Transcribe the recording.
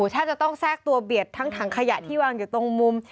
ถ้าจะต้องแทรกตัวเบียดทั้งถังขยะที่วางอยู่ตรงมุม